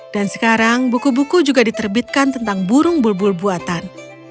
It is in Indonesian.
dan sekarang buku buku juga diterbitkan tentang burung bulbul buatan